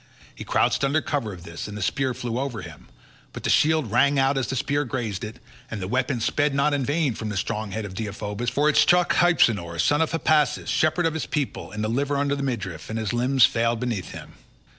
He crouched under cover of this, and the spear flew over him, but the shield rang out as the spear grazed it, and the weapon sped not in vain from the strong hand of Deiphobus, for it struck Hypsenor son of Hippasus, shepherd of his people, in the liver under the midriff, and his limbs failed beneath him.